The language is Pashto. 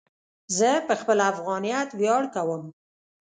زه په خپل افغانیت ویاړ کوم.